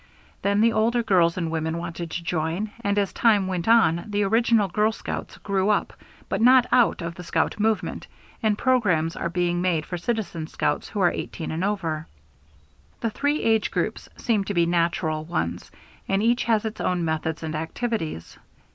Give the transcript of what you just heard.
Then the older girls and women wanted to join, and as time went on the original girl scouts grew up but not out of the scout movement, and programs are being made for Citizen Scouts who are 18 and over. The three age groups seem to be natural ones, and each has its own methods and activities.